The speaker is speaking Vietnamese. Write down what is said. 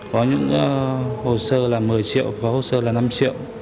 có những hồ sơ là một mươi triệu có hồ sơ là năm triệu